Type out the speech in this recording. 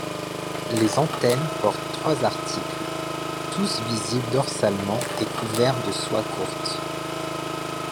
Les antennes portent trois articles, tous visibles dorsalement et couverts de soies courtes.